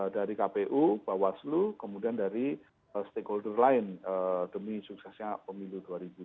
dari kpu bawaslu kemudian dari stakeholder lain demi suksesnya pemilu dua ribu dua puluh